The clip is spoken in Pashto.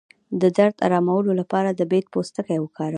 د درد د ارامولو لپاره د بید پوستکی وکاروئ